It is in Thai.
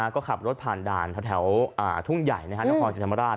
ก็ขับรถผ่านด่านแถวทุ่งใหญ่นะฮะนครสิทธิ์ธรรมราช